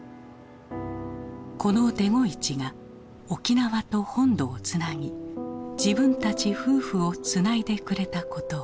このデゴイチが沖縄と本土をつなぎ自分たち夫婦をつないでくれたことを。